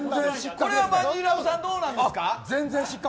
これはマヂラブさんどうなんですか？